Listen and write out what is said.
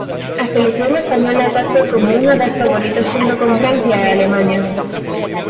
A selección española parte como unha das favoritas xunto con Francia e Alemaña.